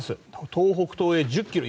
東北東へ１０キロ